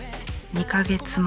２か月前